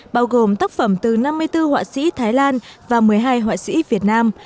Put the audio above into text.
bao gồm tác phẩm từ năm mươi bốn họa sĩ thái lan và một mươi hai họa sĩ việt nam